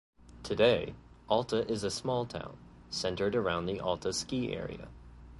Today, Alta is a small town, centered around the Alta Ski Area.